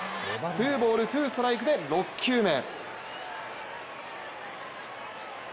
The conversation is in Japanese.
ツーボール、ツーストライクで６球目。